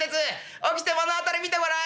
起きて目の当たり見てごらん」。